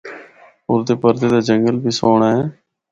اُردے پردے دا جنگل بھی سہنڑا اے۔